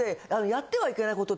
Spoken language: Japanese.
言ってはいけないこと。